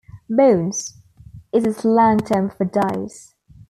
"Bones" is a slang term for dice.